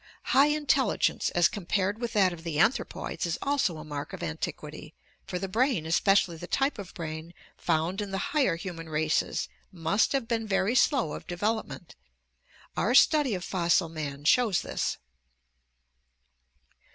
High intelligence as compared with that of the anthropoids is also a mark of antiquity, for the brain, especially the type of brain found in the higher human races, must have been very slow of de velopment. Our study of fossil man shows this.